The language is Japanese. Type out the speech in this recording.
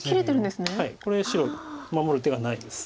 これ白守る手がないです。